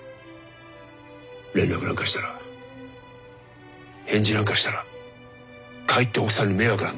連絡なんかしたら返事なんかしたらかえって奥さんに迷惑なんだ。